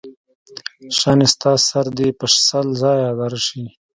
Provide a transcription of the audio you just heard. شانې ستا سر دې په سل ځایه اره شي.